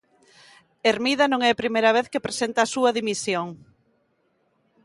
Hermida non é a primeira vez que presenta a súa dimisión.